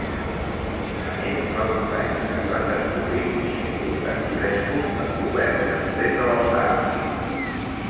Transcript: A més, fa uns anys es van descobrir uns importants frescos encoberts després de l'altar.